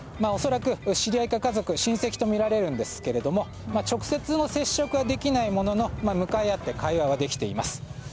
恐らく、知り合いか家族親戚とみられるんですが直接の接触はできないものの向かい合って会話はできています。